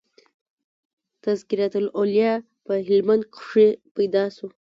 "تذکرةالاولیاء" په هلمند کښي پيدا سو.